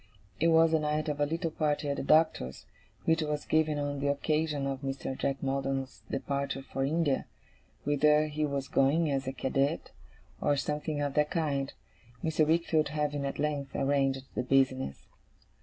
It was the night of a little party at the Doctor's, which was given on the occasion of Mr. Jack Maldon's departure for India, whither he was going as a cadet, or something of that kind: Mr. Wickfield having at length arranged the business.